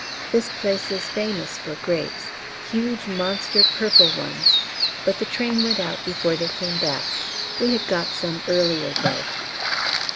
This place is famous for grapes huge monster purple ones but the train went out before they came back. We had got some earlier, though.